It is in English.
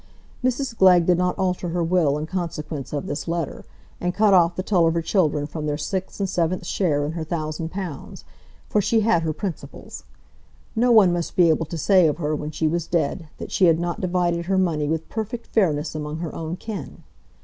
Mrs Glegg did not alter her will in consequence of this letter, and cut off the Tulliver children from their sixth and seventh share in her thousand pounds; for she had her principles. No one must be able to say of her when she was dead that she had not divided her money with perfect fairness among her own kin.